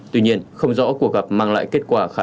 tuy nhiên không rõ cuộc gặp mang lại kết quả khả thi nào hay không